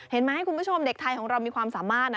ให้คุณผู้ชมเด็กไทยของเรามีความสามารถนะ